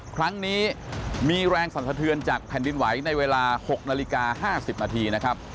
ครั้งนี้มีแรงสรรสะเทือนจากแผ่นดินไหวในเวลา๖นาฬิกา๕๐นาทีนะครับ